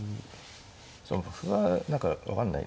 歩が何か分かんない。